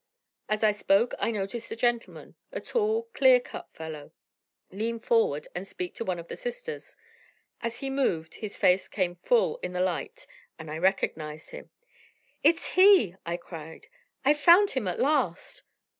As I spoke I noticed a gentleman a tall, clear cut fellow lean forward and speak to one of the sisters. As he moved, his face came full in the light and I recognized him. "It's he!" I cried. "I've found him at last!"